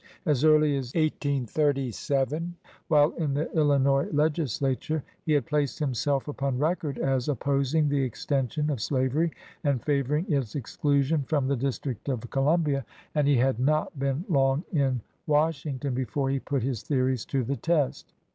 As early as 1837, while in the Illinois legisla ture, he had placed himself upon record as op posing the extension of slavery and favoring its exclusion from the District of Columbia, and he had not been long in Washington be fore he put his theories to the test.